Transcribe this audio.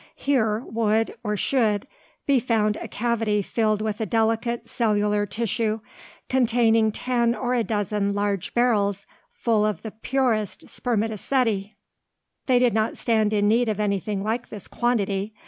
Here would, or should, be found a cavity filled with a delicate cellular tissue, containing ten or a dozen large barrels full of the purest spermaceti. They did not stand in need of anything like this quantity.